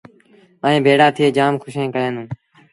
ائيٚݩ ڀيڙآ ٿئي جآم کُوشين ڪيآݩدوݩ